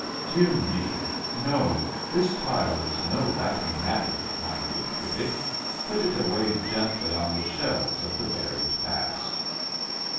Dear me, no, this tile is no laughing matter, my good critic! Put it away gently on the shelves of the buried past.